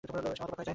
সে হতবাক হয়ে যাবে!